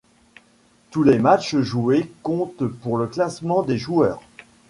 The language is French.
Tous les matches joués comptes pour le classement des joueurs.